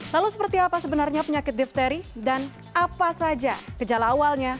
lalu seperti apa sebenarnya penyakit difteri dan apa saja kejala awalnya